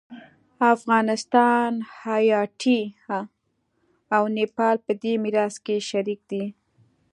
افغانستان، هایټي او نیپال په دې میراث کې شریک دي.